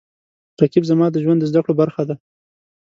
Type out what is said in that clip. رقیب زما د ژوند د زده کړو برخه ده